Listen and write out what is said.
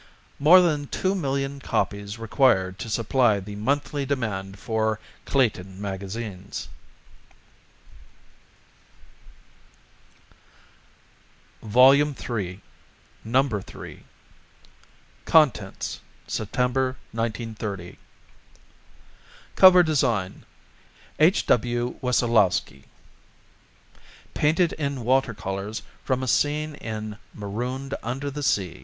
More than Two Million Copies Required to Supply the Monthly Demand for Clayton Magazines. VOL. III. No. 3 CONTENTS SEPTEMBER, 1930 COVER DESIGN H. W. WESSOLOWSKI _Painted in Water Colors from a Scene in "Marooned Under the Sea."